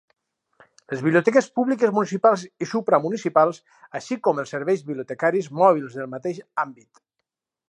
Les biblioteques públiques municipals i supramunicipals, així com els serveis bibliotecaris mòbils del mateix àmbit.